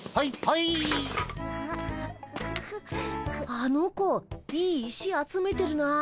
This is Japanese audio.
あの子いい石集めてるなあ。